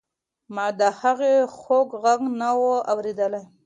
ما د هغې خوږ غږ نه و اورېدلی.